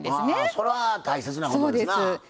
それは大切なことですな。